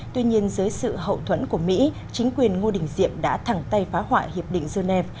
tuy nhiên dưới sự hậu thuẫn của mỹ chính quyền ngô đình diệm đã thẳng tay phá hoại hiệp định genève